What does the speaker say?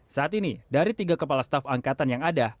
saat ini dari tiga kepala staf angkatan yang ada